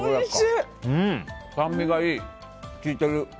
酸味がいい、効いてる。